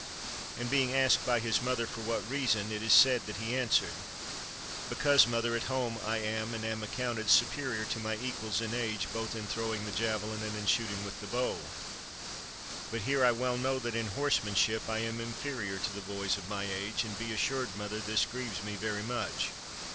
And being asked by his mother for what reason, it is said that he answered: — "Because, mother, at home I am, and am accounted, superior to my equals in age both in throwing the jave lin and in shooting with the bow ; but here, I well know that, in horsemanship, I am inferior to the boys of my age; and be assured, mother, this grieves me very much.